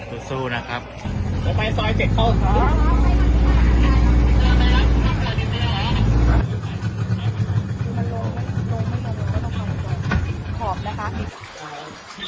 หลงหลงหลงหลงหลงหลงหลง